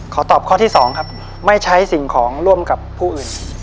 ขอตอบข้อที่สองครับไม่ใช้สิ่งของร่วมกับผู้อื่น